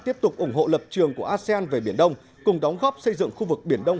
tiếp tục ủng hộ lập trường của asean về biển đông cùng đóng góp xây dựng khu vực biển đông